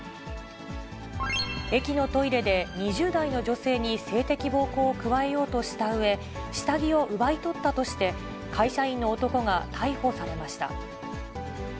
駅のトイレで、２０代の女性に性的暴行を加えようとしたうえ、下着を奪い取ったとして、会社員の男が逮捕されました。